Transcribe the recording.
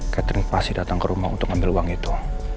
catherine pasti datang ke rumah untuk ambil uang itu